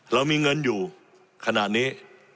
เรามีเงินอยู่ขนาดนี้